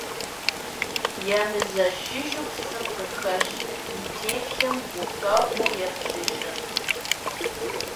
Емызэшыжу псым къыхэщ и теплъэм гухэхъуэу еплъыжырт.